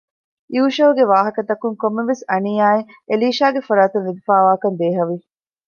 ޔޫޝައުގެ ވާހަކަތަކުން ކޮންމެވެސް އަނިޔާއެއް އެލީޝާގެފަރާތުން ލިބިފައިވާކަށް ދޭހަވި